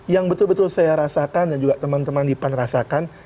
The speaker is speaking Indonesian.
yang betul betul saya rasakan dan juga teman teman di pan rasakan